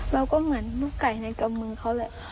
มันก็เหมือนลูกไก่ในกำมือเขาแหละ